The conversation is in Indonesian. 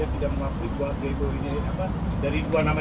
sehingga apakah ada pengakuan